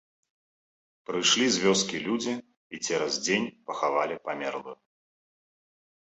Прыйшлі з вёскі людзі і цераз дзень пахавалі памерлую.